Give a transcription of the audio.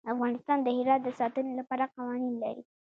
افغانستان د هرات د ساتنې لپاره قوانین لري.